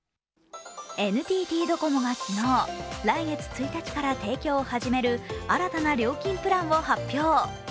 ＮＴＴドコモが昨日、来月１日から提供を始める新たな料金プランを発表。